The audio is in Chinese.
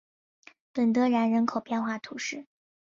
本德然人口变化图示